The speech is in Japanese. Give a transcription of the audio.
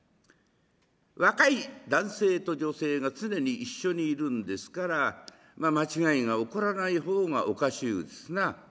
若い男性と女性が常に一緒にいるんですからまあ間違いが起こらない方がおかしゅうですな。